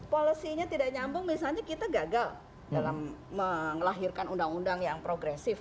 policy nya tidak nyambung misalnya kita gagal dalam melahirkan undang undang yang progresif